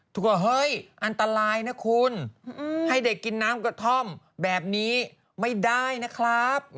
ทุกคนเฮ้ยอันตรายนะคุณให้เด็กกินน้ำกระท่อมแบบนี้ไม่ได้นะครับ